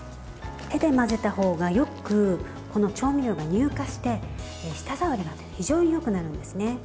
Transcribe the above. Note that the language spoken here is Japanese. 手で混ぜた方がよく調味料が乳化して舌触りが非常によくなるんですね。